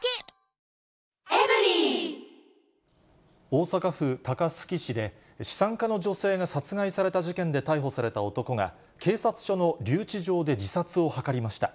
大阪府高槻市で、資産家の女性が殺害された事件で逮捕された男が、警察署の留置場で自殺を図りました。